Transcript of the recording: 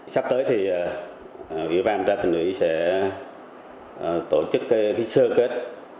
sắp tới thì ubkc huyện ủy sẽ tổ chức phía sơ kết